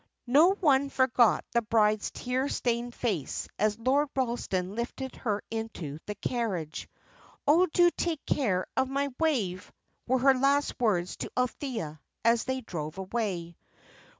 No one forgot the bride's tear stained face, as Lord Ralston lifted her into the carriage. "Oh, do take care of my Wave," were her last words to Althea, as they drove away.